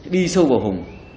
đi sâu vào hùng